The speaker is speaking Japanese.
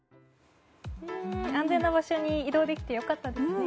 安全な場所に移動できて良かったですね。